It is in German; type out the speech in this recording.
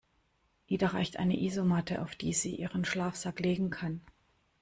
Ida reicht eine Isomatte, auf die sie ihren Schlafsack legen kann.